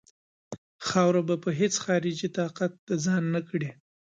خاوره به هیڅ خارجي طاقت د ځان نه کړي.